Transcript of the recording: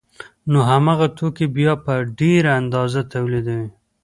نو هماغه توکي بیا په ډېره اندازه تولیدوي